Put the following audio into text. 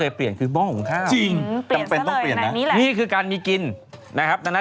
เห้ยเดี๋ยวก่อนเขาให้บอกว่าอีกจัง